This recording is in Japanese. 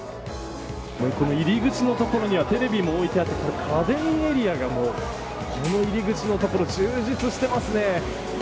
入り口の所にはテレビも置いてあってかエリアがこの入り口の所充実していますね。